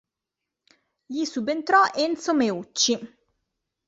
Gli subentrò Enzo Meucci.